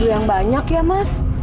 yang banyak ya mas